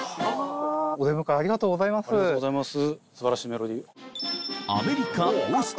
ありがとうございます。